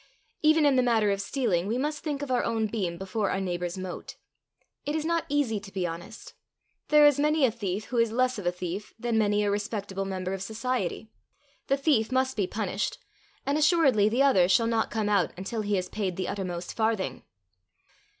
Even in the matter of stealing we must think of our own beam before our neighbour's mote. It is not easy to be honest. There is many a thief who is less of a thief than many a respectable member of society. The thief must be punished, and assuredly the other shall not come out until he has paid the uttermost farthing.